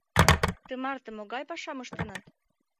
— «Тымарте могай пашам ыштенат?»